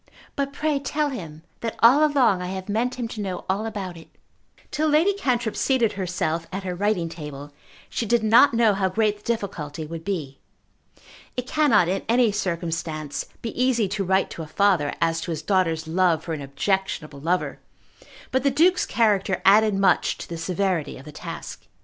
"But pray tell him that all along I have meant him to know all about it." Till Lady Cantrip seated herself at her writing table she did not know how great the difficulty would be. It cannot in any circumstance be easy to write to a father as to his daughter's love for an objectionable lover; but the Duke's character added much to the severity of the task.